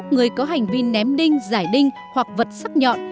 người có hành vi ném đinh giải đinh hoặc vật sắc nhọn